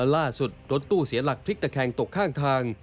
รถตู้เสียหลักพลิกตะแคงตกข้างทาง